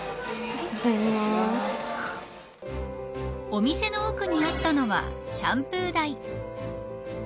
お店の奥にあったのはシャンプー台。